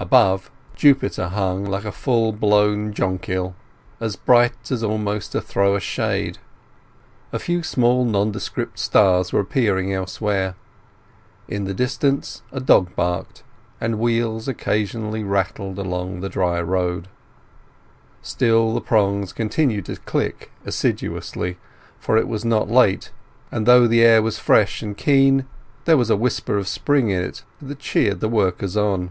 Above, Jupiter hung like a full blown jonquil, so bright as almost to throw a shade. A few small nondescript stars were appearing elsewhere. In the distance a dog barked, and wheels occasionally rattled along the dry road. Still the prongs continued to click assiduously, for it was not late; and though the air was fresh and keen there was a whisper of spring in it that cheered the workers on.